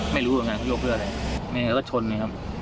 ไม่รู้เหมือนกันเขาโยกเพื่ออะไรไม่เห็นแล้วก็ชนไงครับ